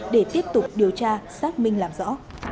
để tiếp tục điều tra xác minh làm rõ